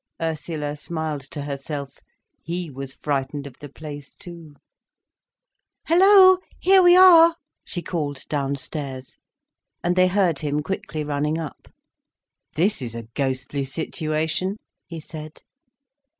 Ursula smiled to herself. He was frightened of the place too. "Hello! Here we are," she called downstairs. And they heard him quickly running up. "This is a ghostly situation," he said.